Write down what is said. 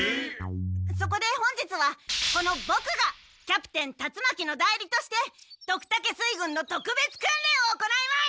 そこで本日はこのボクがキャプテン達魔鬼の代理としてドクタケ水軍の特別訓練を行います！